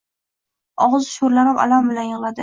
Og‘zi sho‘rlanib alam bilan yig‘ladi.